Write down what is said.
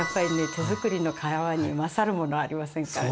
手づくりの皮に勝るものありませんからね。